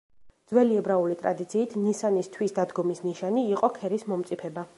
ძველი ებრაული ტრადიციით ნისანის თვის დადგომის ნიშანი იყო ქერის მომწიფება.